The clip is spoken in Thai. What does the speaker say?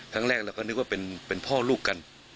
ครั้งแรกเราก็นึกว่าเป็นพ่อลูกกัน